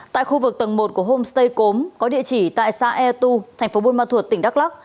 tại khu vực tầng một của homestay cốm có địa chỉ tại xã e tu tp bunma thuật tỉnh đắk lắc